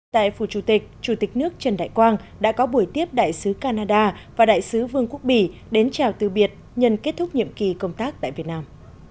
tại phủ chủ tịch chủ tịch nước trần đại quang đã có buổi tiếp đại sứ canada và đại sứ vương quốc bỉ đến chào từ biệt nhân kết thúc nhiệm kỳ công tác tại việt nam